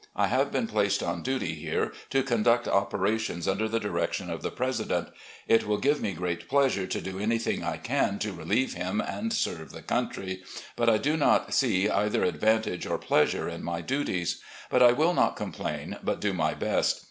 I have been placed on duty here to conduct operations under the direction of the President. It will give me great pleasiue ♦" Four Years with General Lee." LETTERS TO WIFE AND DAUGHTERS 67 to do anything I can to relieve him and serve the country, but I do not see either advantage or pleasure in my duties. But I will not complain, but do my best.